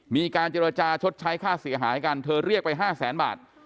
มีการเจรจาชดใช้ค่าเสียหายกันเธอเรียกไป๕แสนบาท